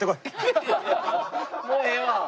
もうええわ！